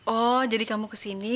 oh jadi kamu kesini